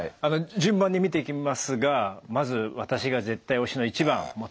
順番に見ていきますがまず私が絶対推しの１番とにかく安静だと。